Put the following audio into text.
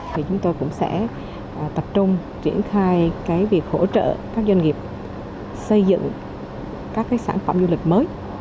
thì chúng tôi cũng sẽ tập trung triển khai cái việc hỗ trợ các doanh nghiệp xây dựng các sản phẩm du lịch mới